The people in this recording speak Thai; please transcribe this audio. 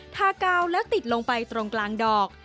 ทากาวแล้วติดลงไปตรงกลางดอก